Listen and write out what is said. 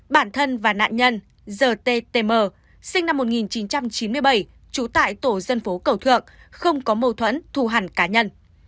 bản thân và nạn nhân g t t m sinh năm một nghìn chín trăm chín mươi bảy trú tại tổ dân phố cầu thượng không có mâu thuẫn thù hẳn cá nhân